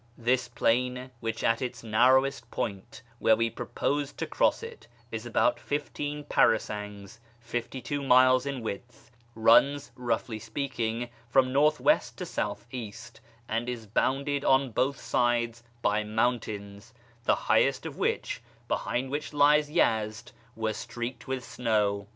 This plain, which at its narrowest point (where we proposed to cross it) is about fifteen parasangs (fifty two miles) in width, runs, roughly speaking, from north west to south east, and is bounded on both sides by mountains, the highest of which, behind which lies Yezd, were streaked with snow.